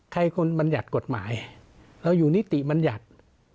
ใครคุณบรรยัติกฎหมายแล้วอยู่นิติบรรยัติ